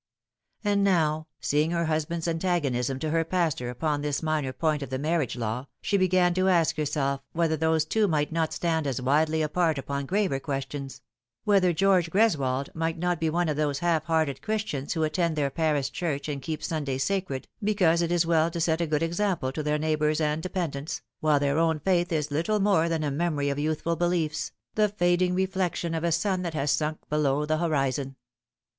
And now, seeing her husband's antagonism to her pastor upon this minor point of the marriage la\7, she began to ask herself whether those two might not stand as widely apart upon graver questions whether George Greswold might not be one of those half hearted Christians who attend their parish church and keep Sunday sacred because it is well to set a good example to their neighbours and dependants, while their own faith i * little more than a memory of youthful beliefs, the fading reflection of a un that has sunk below the horizon.